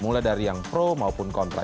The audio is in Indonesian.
mulai dari yang pro maupun kontra